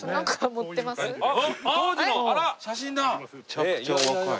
めちゃくちゃお若い。